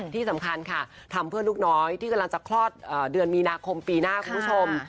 ที่สำคัญค่ะทำเพื่อลูกน้อยที่กำลังจะคลอดเดือนมีนาคมปีหน้าคุณผู้ชม